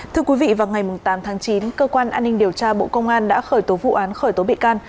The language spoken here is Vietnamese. thưa quý vị vào ngày tám tháng chín cơ quan an ninh điều tra bộ công an đã khởi tố vụ án khởi tố bị can